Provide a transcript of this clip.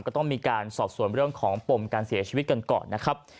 ก็ต้องมีการสอบส่วนเรื่องของปมการเสียชีวิตกันก่อนนะครับ